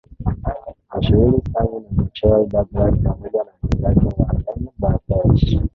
mashuhuri Sting na Mochael Dougals pamoja na mwekezaji Warren Buffet